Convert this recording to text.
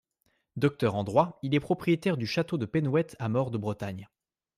Docteur en droit, il est propriétaire du château de Penhouët à Maure-de-Bretagne.